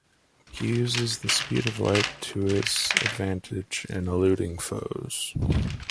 He uses the speed of light to his advantage in eluding foes.